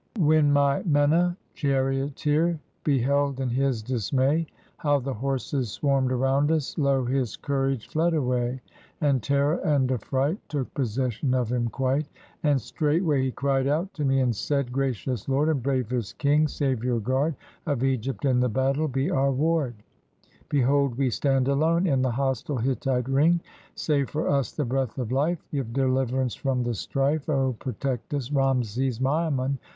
When my Menna, charioteer, beheld in his dismay. How the horses swarmed around us, lo! his courage fled away. And terror and affright Took possession of him quite; And straightway he cried out to me, and said, "Gracious lord and bravest king, savior guard Of Egypt in the battle, be our ward ; Behold we stand alone, in the hostile Hittite ring, Save for us the breath of life, Give deliverance from the strife. Oh! protect us, Ramses Miamun!